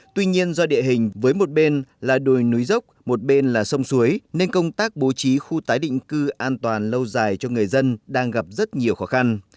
tuy nhiên do địa hình với một bên là đồi núi dốc một bên là sông suối nên công tác bố trí khu tái định cư an toàn lâu dài cho người dân đang gặp rất nhiều khó khăn